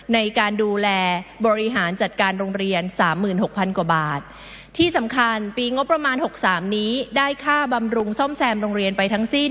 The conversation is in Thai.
ในการดูแลบริหารจัดการโรงเรียนสามหมื่นหกพันกว่าบาทที่สำคัญปีงบประมาณหกสามนี้ได้ค่าบำรุงซ่อมแซมโรงเรียนไปทั้งสิ้น